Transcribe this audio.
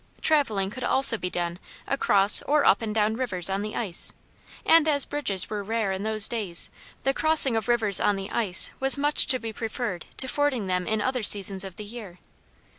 Traveling could also be done across or up and down rivers on the ice, and as bridges were rare in those days the crossing of rivers on the ice was much to be preferred to fording them in other seasons of the year.